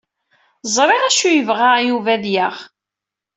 Ẓriɣ acu yebɣa Yuba ad yaɣ.